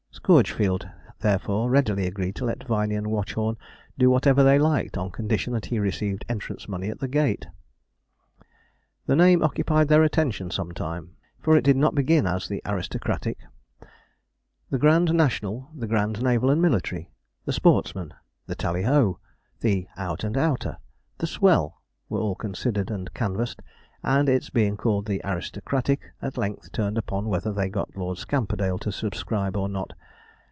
Scourgefield, therefore, readily agreed to let Viney and Watchorn do whatever they liked, on condition that he received entrance money at the gate. The name occupied their attention some time, for it did not begin as the 'Aristocratic.' The 'Great National,' the 'Grand Naval and Military,' the 'Sports man,' the 'Talli ho,' the 'Out and Outer,' the 'Swell,' were all considered and canvassed, and its being called the 'Aristocratic' at length turned upon whether they got Lord Scamperdale to subscribe or not.